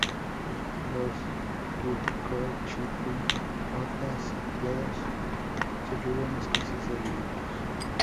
Los turcochipriotas, sitiados, sufrieron escasez de alimentos.